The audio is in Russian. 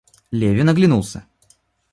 Левин оглянулся.